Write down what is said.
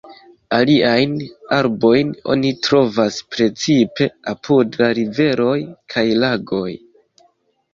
Aliajn arbojn oni trovas precipe apud la riveroj kaj lagoj.